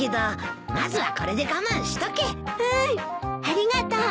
ありがとう。